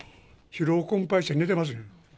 疲労困ぱいして寝てますよ。